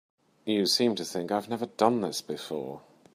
You seem to think I've never done this before.